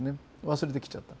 忘れてきちゃった。